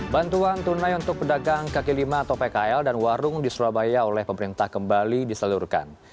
bantuan tunai untuk pedagang kaki lima atau pkl dan warung di surabaya oleh pemerintah kembali diseluruhkan